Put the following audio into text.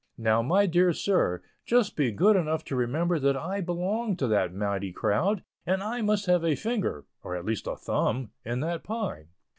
Now, my dear sir, just be good enough to remember that I belong to that mighty crowd, and I must have a finger (or at least a "thumb") in that pie.